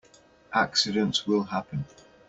Accidents will happen.